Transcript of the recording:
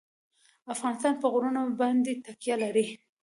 افغانستان په غرونه باندې تکیه لري.